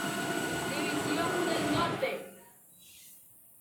División del Norte.